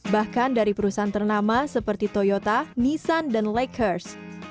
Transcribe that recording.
bahkan dari perusahaan ternama seperti toyota nissan dan lakers